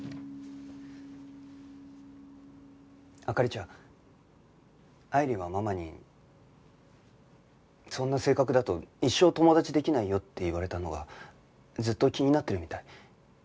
灯ちゃん愛理はママに「そんな性格だと一生友達できないよ」って言われたのがずっと気になってるみたい。